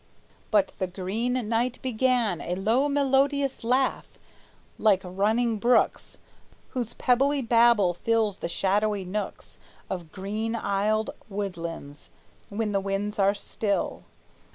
But the Green Knight began A low melodious laugh, like running brooks Whose pebbly babble fills the shadowy nooks Of green aisled woodlands, when the winds are still.